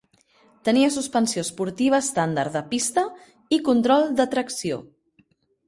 Tenia suspensió esportiva estàndard de pista i control de tracció.